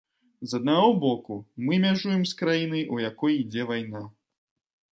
З аднаго боку, мы мяжуем з краінай, у якой ідзе вайна.